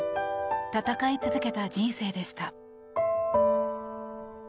戦い続けた人生でした。